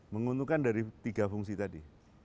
menguntungkan dari tiga fungsi tadi